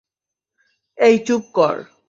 এই চুপ কর!